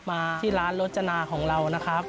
มาที่ร้านโรจนาของเรานะครับ